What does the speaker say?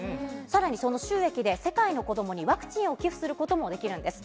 さらに、その収益で、世界の子どもにワクチンを寄付することもできるんです。